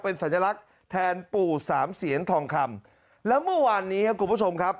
เป็นสัญลักษณ์แทนปู่สามเสียนทองคำแล้วเมื่อวานนี้ครับคุณผู้ชมครับ